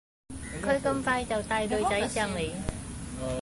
佢咁快就帶女仔上嚟